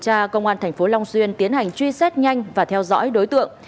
cơ quan cảnh sát điều tra công an tp long xuyên tiến hành truy xét nhanh và theo dõi đối tượng